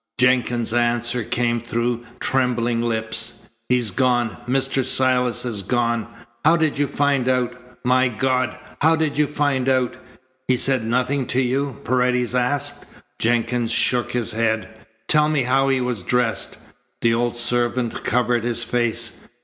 Jenkins's answer came through trembling lips. "He's gone! Mr. Silas is gone! How did you find out? My God! How did you find out?" "He said nothing to you?" Paredes asked. Jenkins shook his head. "Tell me how he was dressed." The old servant covered his face.